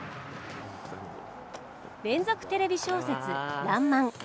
「連続テレビ小説らんまん」